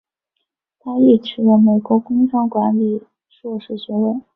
他亦持有美国工商管理硕士学位。